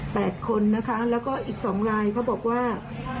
คนนะคะแล้วก็อีกสองรายเขาบอกว่า